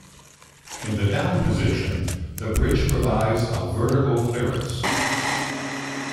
In the down position, the bridge provides of vertical clearance.